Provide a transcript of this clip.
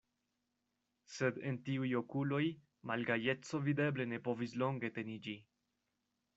Sed en tiuj okuloj malgajeco videble ne povis longe teniĝi.